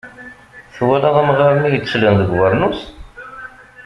Twalaḍ amɣar-nni yettlen deg ubernus?